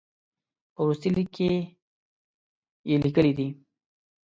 په وروستي لیک کې یې لیکلي دي.